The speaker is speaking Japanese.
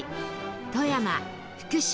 富山福島